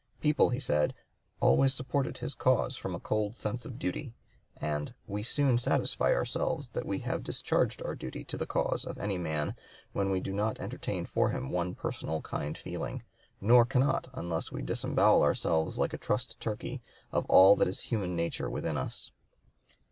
People, he said, "always supported his cause from a cold sense of duty," and "we soon satisfy ourselves that we have discharged our duty to the cause of any man when we do not entertain for him one personal kind feeling, nor cannot unless we disembowel ourselves like a trussed turkey of all that is human nature within us."